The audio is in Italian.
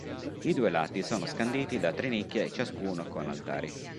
I due lati sono scanditi da tre nicchie ciascuno con altari.